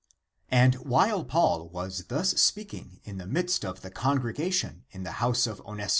And while Paul was thus speaking in the midst of the congregation in the house of Onesiph 10 Comp.